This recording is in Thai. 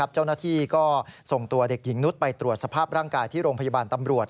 เจ้าหน้าที่ก็ส่งตัวเด็กหญิงนุษย์ไปตรวจสภาพร่างกายที่โรงพยาบาลตำรวจ